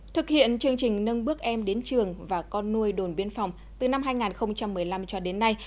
thực hiện chương trình nâng bước em đến trường và con nuôi đồn biên phòng từ năm hai nghìn một mươi năm cho đến nay